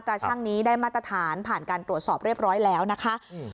ช่างนี้ได้มาตรฐานผ่านการตรวจสอบเรียบร้อยแล้วนะคะอืม